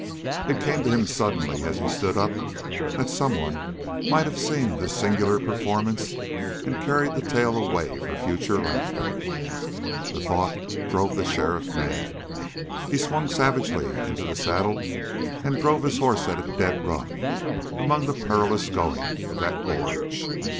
It came to him suddenly, as he stood up, that someone might have seen this singular performance and carried the tale away for future laughter. The thought drove the sheriff mad. He swung savagely into the saddle and drove his horse at a dead run among the perilous going of that gorge.